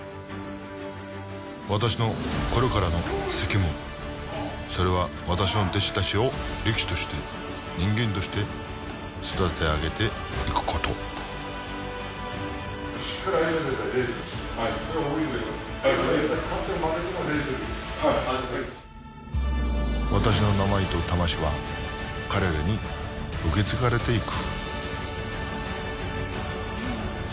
私のこれからの責務それは私の弟子たちを力士として人間として育て上げていくこと私の名前と魂は彼らに受け継がれていく